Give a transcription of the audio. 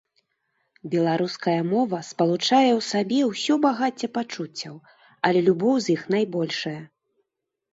Беларуская мова спалучае ў сабе ўсё багацце пачуццяў, але любоў з іх найбольшая.